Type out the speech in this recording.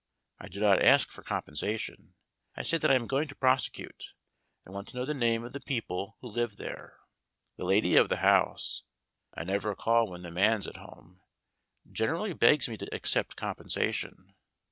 I do not ask for compensation I say that I am going to prosecute, and want to know the name of the people who live there. The lady of the house (I never call when the man's at home) generally begs me to accept compensa tion.